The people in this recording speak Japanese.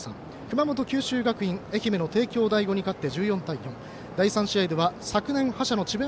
熊本、九州学院愛媛の帝京第五に勝って第３試合は昨年の覇者、智弁